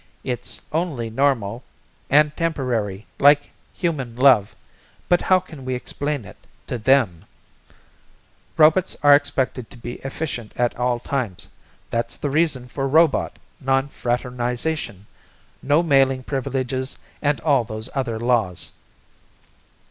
It's only normal and temporary like human love but how can we explain it to them? Robots are expected to be efficient at all times. That's the reason for robot non fraternization, no mailing privileges and all those other laws."